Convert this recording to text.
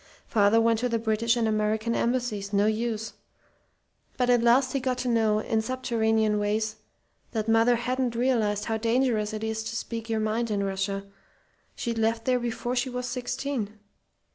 Father went to the British and American Embassies; no use! But at last he got to know, in subterranean ways, that mother hadn't realized how dangerous it is to speak your mind in Russia. She'd left there before she was sixteen!